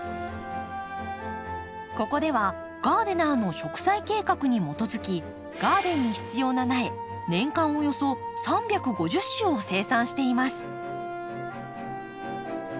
ここではガーデナーの植栽計画に基づきガーデンに必要な苗年間およそ３５０種を生産しています。